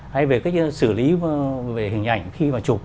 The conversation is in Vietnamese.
hay về cách xử lý về hình ảnh khi mà chụp